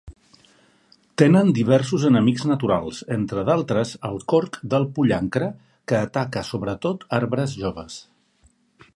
Tenen diversos enemics naturals, entre d'altres el corc del pollancre que ataca sobretot arbres joves.